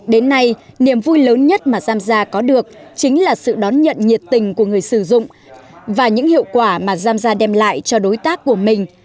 đến nay niềm vui lớn nhất mà zam gia có được chính là sự đón nhận nhiệt tình của người sử dụng và những hiệu quả mà zamza đem lại cho đối tác của mình